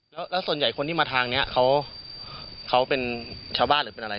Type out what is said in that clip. แล้วส่วนใหญ่คนที่มาทางนี้เขาเป็นชาวบ้านหรือเป็นอะไร